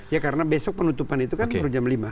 ya karena besok penutupan itu kan baru jam lima